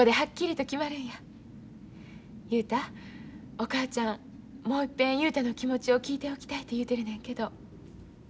お母ちゃんもう一遍雄太の気持ちを聞いておきたいて言うてるねんけど。